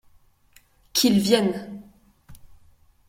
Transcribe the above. Qu’il vienne !